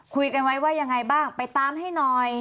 คุยกันไว้ว่ายังไงบ้างไปตามให้หน่อย